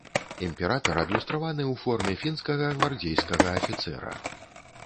Імператар адлюстраваны ў форме фінскага гвардзейскага афіцэра.